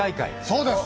そうです。